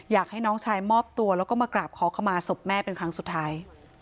อยากให้น้องชายมอบตัวแล้วก็มากราบขอขมาศพแม่เป็นครั้งสุดท้าย